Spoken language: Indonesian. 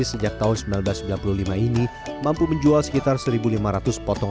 kita akan siap bikin